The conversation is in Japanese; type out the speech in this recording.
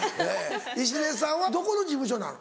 石出さんはどこの事務所なの？